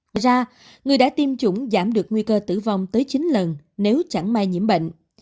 ngoài ra người đã tiêm chủng giảm được nguy cơ tử vong tới chín lần nếu chẳng may nhiễm bệnh